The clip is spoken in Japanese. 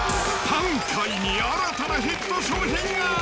パン界に新たなヒット商品が！